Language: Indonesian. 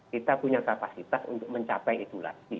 kita punya kapasitas untuk mencapai itu lagi